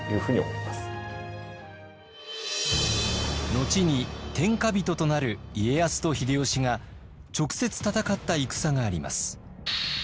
後に天下人となる家康と秀吉が直接戦った戦があります。